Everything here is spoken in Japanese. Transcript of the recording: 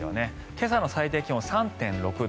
今朝の最低気温、３．６度。